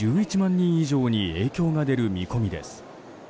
人以上に影響が出る見込みです。